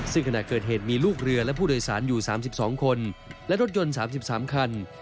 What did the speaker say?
ซึ่งขณะเกิดเหตุมีลูกเรือและผู้โดยสารอยู่๓๒คนและรถยนต์๓๓คัน